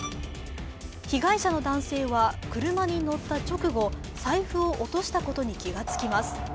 被害者の男性は車に乗った直後、財布を落としたことに気が付きます。